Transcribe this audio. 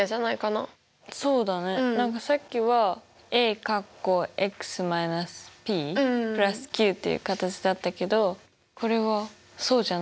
何かさっきはっていう形だったけどこれはそうじゃない。